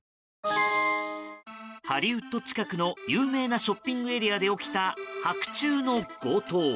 ハリウッド近くの有名なショッピングエリアで起きた、白昼の強盗。